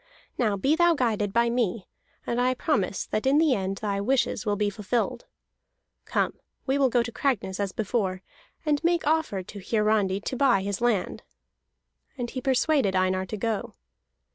Now be thou guided by me, and I promise that in the end thy wishes will be fulfilled. Come, we will go to Cragness as before, and make offer to Hiarandi to buy his land." And he persuaded Einar to go.